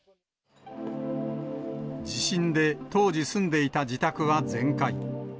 地震で当時住んでいた自宅は全壊。